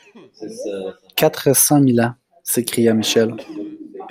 Quatre cent mille ans! s’écria Michel.